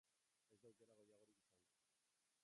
Ez da aukera gehiagorik izango.